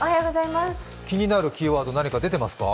気になるキーワード、何か出てますか？